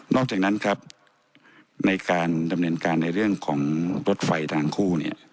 อกจากนั้นครับในการดำเนินการในเรื่องของรถไฟทางคู่เนี่ย